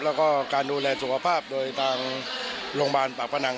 แล้วก็การดูแลสุขภาพโดยทางโรงพยาบาลปากพนัง